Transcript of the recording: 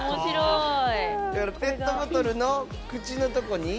ペットボトルの口のとこに。